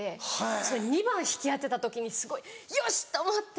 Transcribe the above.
それ２番引き当てた時にすごい「よし！」と思って。